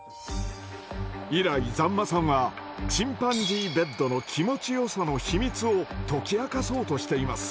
以来座馬さんはチンパンジーベッドの気持ちよさの秘密を解き明かそうとしています。